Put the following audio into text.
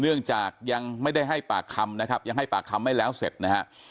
เนื่องจากยังไม่ได้ให้ปากคำนะครับยังให้ปากคำไม่แล้วเสร็จนะฮะ